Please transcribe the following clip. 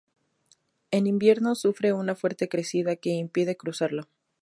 En invierno sufre una fuerte crecida que impide cruzarlo.